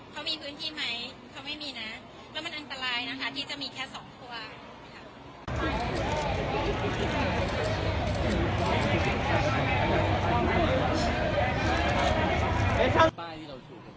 เขามีพื้นที่ไหมเขาไม่มีนะแล้วมันอันตรายนะคะที่จะมีแค่สองตัวค่ะ